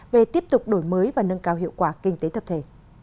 về tiếp tục đổi mới và nâng cao hiệu quả kinh tế tập thể